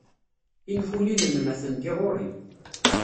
Tinfulin-nnem atenti ɣer-i.